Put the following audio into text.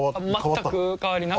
全く変わりなく。